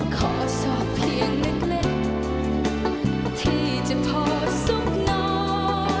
ขอสอบเพียงนึกเล่นที่จะพอซุบนอน